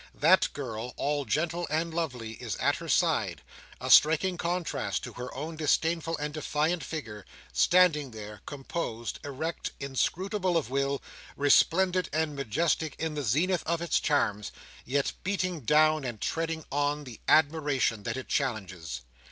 That girl, all gentle and lovely, is at her side—a striking contrast to her own disdainful and defiant figure, standing there, composed, erect, inscrutable of will, resplendent and majestic in the zenith of its charms, yet beating down, and treading on, the admiration that it challenges.